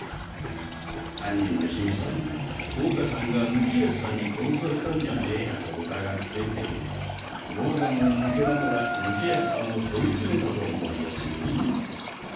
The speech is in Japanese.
犯人の緋美さんも宝華さんが貫康さんに殺されたんじゃねえかと疑っててボウガンを向けながら貫康さんを問い詰めたと思いやすよ？